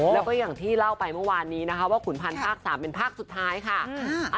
แล้วก็อย่างที่เล่ามาวันนี้คุณผันภาค๓เป็นภาคสุดท้ายค่ะ